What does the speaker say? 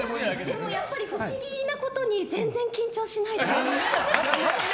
でもやっぱり不思議なことに全然緊張しないです。